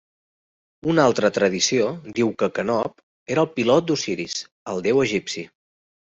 Una altra tradició diu que Canop era el pilot d'Osiris, el déu egipci.